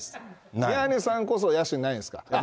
宮根さんこそ、野心ないですか？